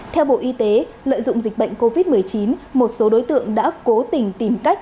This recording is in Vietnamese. theo bộ y tế lợi dụng dịch bệnh covid một mươi chín một số đối tượng đã cố tình tìm cách